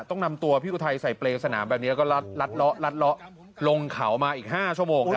ต้องนำตัวพี่กุธัยใส่เปรกสนามแบบนี้แล้วก็ลัดล้อลงเขามาอีก๕ชั่วโมงครับ